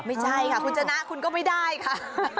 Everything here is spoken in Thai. ไม่ใช่ค่ะคุณชนะคุณก็ไม่ได้ค่ะ